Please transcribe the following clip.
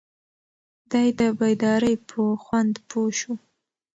دی د بیدارۍ په خوند پوه شو.